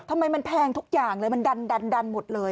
ทำไมมันแพงทุกอย่างเลยมันดันหมดเลย